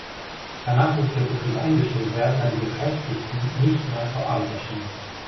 Danach musste der Betrieb eingestellt werden, da die Beschäftigten nicht mehr zur Arbeit erschienen.